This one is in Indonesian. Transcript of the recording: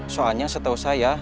soalnya setau saya